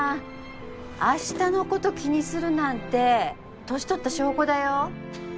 明日のこと気にするなんて年取った証拠だよ。